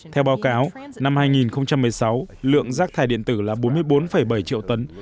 theo báo cáo năm hai nghìn một mươi sáu lượng rác thải điện tử là bốn mươi bốn bảy triệu tấn